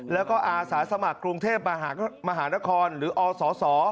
แล้วก็อาสาสมัครกรุงเทพมหานครหรืออส